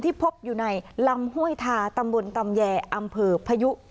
พบอยู่ในลำห้วยทาตำบลตำแยอำเภอพยุ